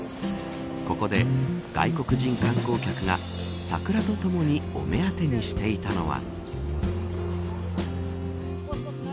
ここで外国人観光客が桜とともにお目当てにしていたのは。